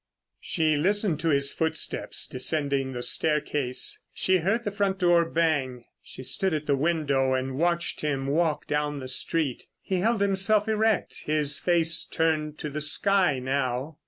She listened to his footsteps descending the staircase. She heard the front door bang. She stood at the window and watched him walk down the street. He held himself erect, his face turned to the sky now.